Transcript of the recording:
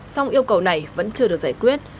song yêu cầu này vẫn chưa được giải quyết